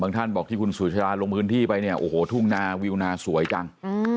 ท่านบอกที่คุณสุชาลาลงพื้นที่ไปเนี่ยโอ้โหทุ่งนาวิวนาสวยจัง